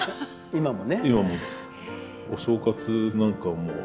今もです。